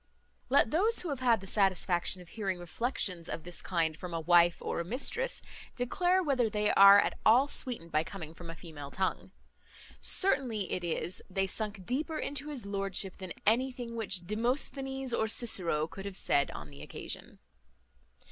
Let those who have had the satisfaction of hearing reflections of this kind from a wife or a mistress, declare whether they are at all sweetened by coming from a female tongue. Certain it is, they sunk deeper into his lordship than anything which Demosthenes or Cicero could have said on the occasion.